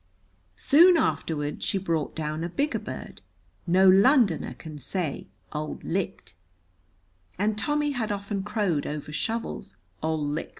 Soon afterward she brought down a bigger bird. No Londoner can say "Auld licht," and Tommy had often crowed over Shovel's "Ol likt."